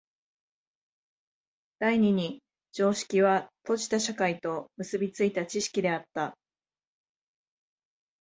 第二に常識は閉じた社会と結び付いた知識であった。